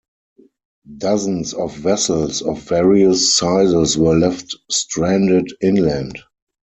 Dozens of vessels of various sizes were left stranded inland.